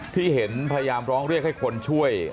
ที่เห็นพยายามร้องเรียกให้คนช่วย